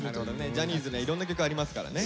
ジャニーズにはいろんな曲ありますからね。